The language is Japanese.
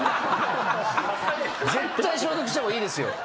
絶対消毒した方がいいですよ。